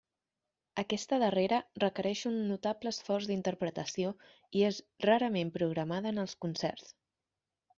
Aquesta darrera requereix un notable esforç d'interpretació i és rarament programada en els concerts.